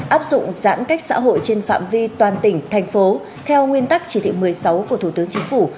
áp dụng giãn cách xã hội trên phạm vi toàn tỉnh thành phố theo nguyên tắc chỉ thị một mươi sáu của thủ tướng chính phủ